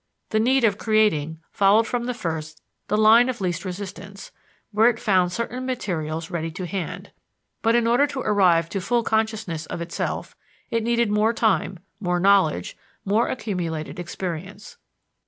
The need of creating followed from the first the line of least resistance, where it found certain materials ready to hand. But in order to arrive to full consciousness of itself it needed more time, more knowledge, more accumulated experience.